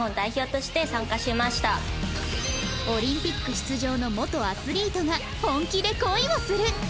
オリンピック出場の元アスリートが本気で恋をする